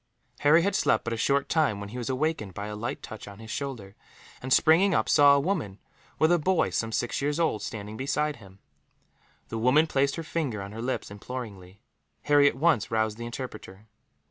Harry had slept but a short time when he was awakened by a light touch on his shoulder and, springing up, saw a woman, with a boy some six years old, standing beside him. The woman placed her finger on her lips, imploringly. Harry at once roused the interpreter.